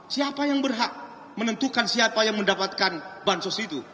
siapa yang berhak menentukan siapa yang mendapatkan bansos itu